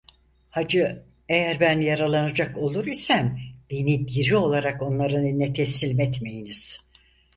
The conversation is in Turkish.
Hacı eğer ben yaralanacak olur isem beni diri olarak onların eline teslim etmeyiniz.